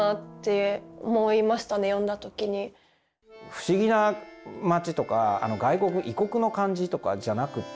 不思議な町とか外国異国の感じとかじゃなくて。